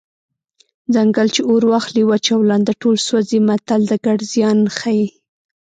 ځنګل چې اور واخلي وچ او لانده ټول سوځي متل د ګډ زیان ښيي